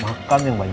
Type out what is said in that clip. makan yang banyak